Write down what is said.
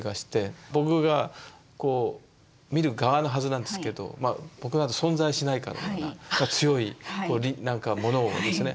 僕が見る側のはずなんですけど僕なんて存在しないかのような強いなんかものをですね